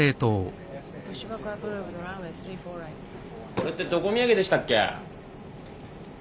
これってどこ土産でしたっけ？